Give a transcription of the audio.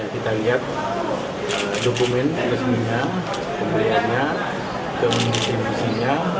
kita lihat dokumen resminya pembeliannya kemenangan resminya